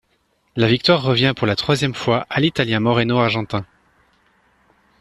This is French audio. La victoire revient pour la troisième fois à l’Italien Moreno Argentin.